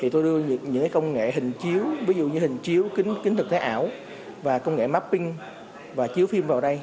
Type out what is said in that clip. tôi đưa những công nghệ hình chiếu ví dụ như hình chiếu kính thực tế ảo và công nghệ mapping và chiếu phim vào đây